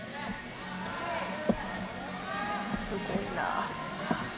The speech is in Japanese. すごいな。